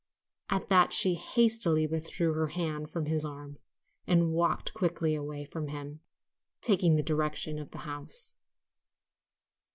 At that she hastily withdrew her hand from his arm and walked quickly away from him, taking the direction of the house.